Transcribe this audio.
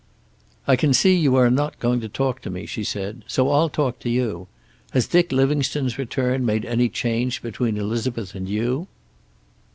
"I can see you are not going to talk to me," she said. "So I'll talk to you. Has Dick Livingstone's return made any change between Elizabeth and you?"